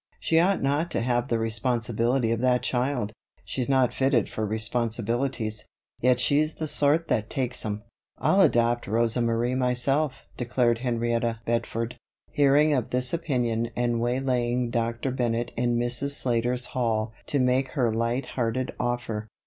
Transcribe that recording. She ought not to have the responsibility of that child; she's not fitted for responsibilities, yet she's the sort that takes 'em." "I'll adopt Rosa Marie myself," declared Henrietta Bedford, hearing of this opinion and waylaying Dr. Bennett in Mrs. Slater's hall to make her light hearted offer.